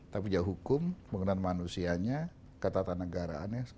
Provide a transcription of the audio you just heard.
tapi juga hukum penggunaan manusianya ketatanegaraannya